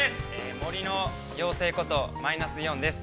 森の妖精ことマイナスイオンです。